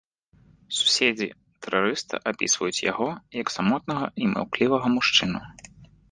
Суседзі тэрарыста апісваюць яго як самотнага і маўклівага мужчыну.